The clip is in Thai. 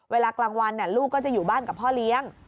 เวลากลางวันลูกก็จะอยู่บ้านกับพ่อเลี้ยง